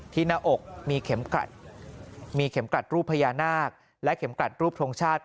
ที่หน้าอกมีเข็มกลัดรูปพญานาคและเข็มกลัดรูปทรงชาติ